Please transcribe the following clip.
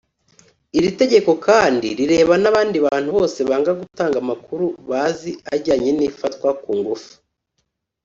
Iri tegeko kandi rireba n’abandi bantu bose banga gutanga amakuru bazi ajyanye n’ifatwa ku ngufu